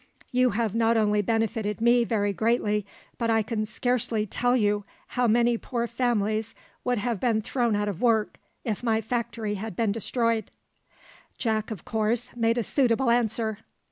"You have not only benefited me very greatly, but I can scarcely tell you how many poor families would have been thrown out of work if my factory had been destroyed." Jack of course made a suitable answer.